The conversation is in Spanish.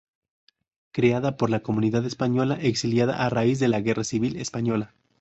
Creada por la comunidad española exiliada a raíz de la Guerra Civil Española.